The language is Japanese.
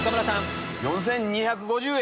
４２５０円。